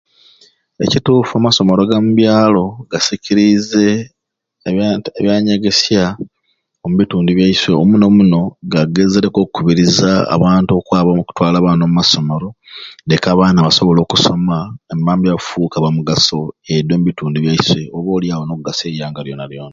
Ekituffu amasomero gambyalo gasikiriize ebyanta ebyanyegesya ombitundu byaiswe omuno muno gagezereku okubiriza abantu okwaba okutwala abaana omumasomero deke abaana basobole okusoma emambya bafuke abamugaso edi ombitundu byaiswe oba olyawo nogasa eiyanga lyona lyona.